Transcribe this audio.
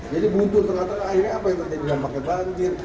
jadi buncur ternyata akhirnya apa yang terjadi